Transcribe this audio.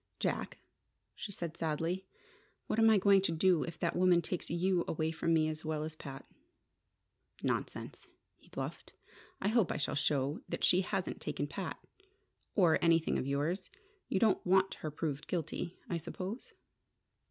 "Jack," she said, sadly, "what am I going to do if that woman takes you away from me as well as Pat?" "Nonsense," he bluffed. "I hope I shall show that she hasn't taken Pat or anything of yours. You don't want her proved guilty, I suppose?"